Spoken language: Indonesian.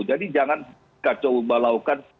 jadi jangan kacau balaukan